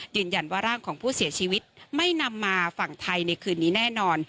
ยืนยันว่าร่างของผู้เสียชีวิตไม่นำมาฝั่งไทยในคืนนี้แน่นอน